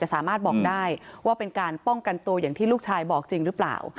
สามารถบอกได้ว่าเป็นการป้องกันตัวอย่างที่ลูกชายบอกจริงหรือเปล่า